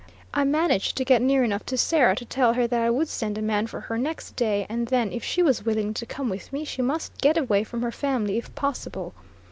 I managed to get near enough to Sarah to tell her that I would send a man for her next day, and then if she was willing to come with me she must get away from her family if possible.